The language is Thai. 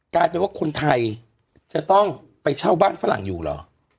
กลายเป็นว่าคนไทยจะต้องไปเช่าบ้านฝรั่งอยู่เหรอ